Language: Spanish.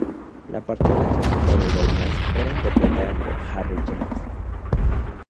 La parte de la trompeta de Douglas era interpretada por Harry James.